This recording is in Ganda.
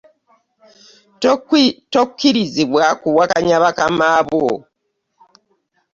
Tokkirizibwa kuwakanya bakamaa bo.